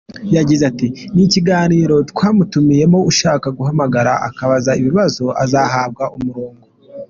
Yagize ati "Ni ikiganiro twamutumiyemo, ushaka guhamagara akabaza ibibazo azahabwa umurongo.